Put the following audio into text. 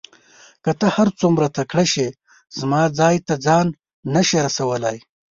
که ته هر څوره تکړه شې زما ځای ته ځان نه شې رسولای.